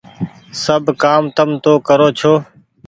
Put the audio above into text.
سب ڪآم تم تو ڪرو ڇو۔